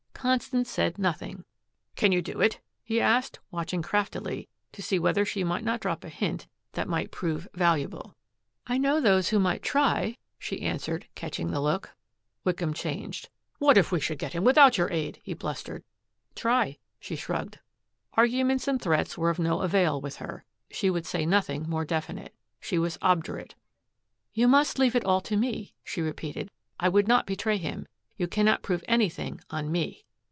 Constance said nothing. "Can you do it?" he asked, watching craftily to see whether she might not drop a hint that might prove valuable. "I know those who might try," she answered, catching the look. Wickham changed. "What if we should get him without your aid!" he blustered. "Try," she shrugged. Arguments and threats were of no avail with her. She would say nothing more definite. She was obdurate. "You must leave it all to me," she repeated. "I would not betray him. You cannot prove anything on ME."